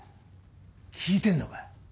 聞いてんのかよ。